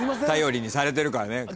頼りにされてるからね。